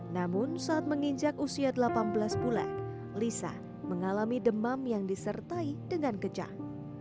namun saat menginjak usia delapan belas bulan lisa mengalami demam yang disertai dengan kejang